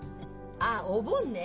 あっ「お盆」ね。